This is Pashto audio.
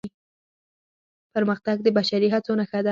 پرمختګ د بشري هڅو نښه ده.